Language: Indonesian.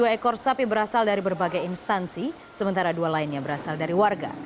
dua puluh ekor sapi berasal dari berbagai instansi sementara dua lainnya berasal dari warga